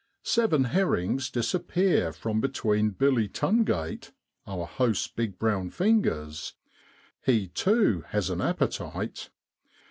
Seven herrings disappear from between Billy Tungate, our host's big brown fingers ; he, too, has an appetite.